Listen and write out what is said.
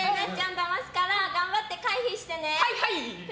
騙すから頑張って回避してね。